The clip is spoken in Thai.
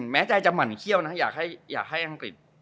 แม้ใจจะหมั่นเขี้ยวนะอยากให้อังกฤษ